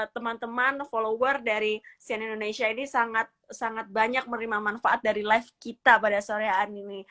teman teman follower dari sian indonesia ini sangat banyak menerima manfaat dari live kita pada sore hari ini